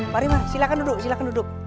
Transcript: mari silahkan duduk